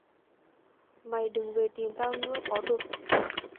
Mày đừng về tìm tao nữa có được